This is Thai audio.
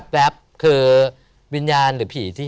โปรดติดตามต่อไป